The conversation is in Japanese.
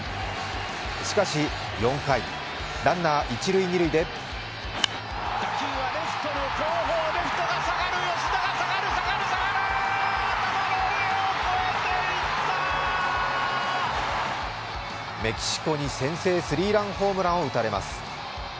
しかし、４回、ランナー一・二塁でメキシコに先制スリーランホームランを打たれます。